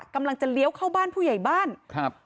กำลังจะเลี้ยวเข้าบ้านผู้ใหญ่บ้านครับ